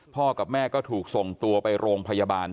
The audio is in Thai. กับแม่ก็ถูกส่งตัวไปโรงพยาบาล